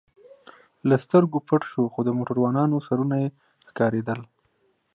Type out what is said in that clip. له سترګو پټ شو، خو د موټروانانو سرونه یې ښکارېدل.